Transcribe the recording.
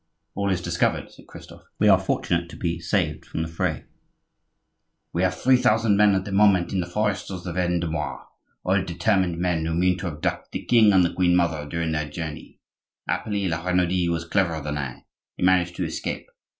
"All is discovered," said Christophe; "you are fortunate to be saved from the fray." "We have three thousand men at this moment in the forests of the Vendomois, all determined men, who mean to abduct the king and the queen mother during their journey. Happily La Renaudie was cleverer than I; he managed to escape.